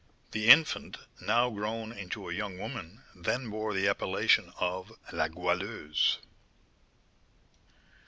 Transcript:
The infant, now grown into a young woman, then bore the appellation of La Goualeuse.